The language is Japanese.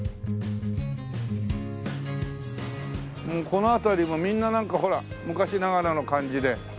この辺りもみんななんかほら昔ながらの感じで。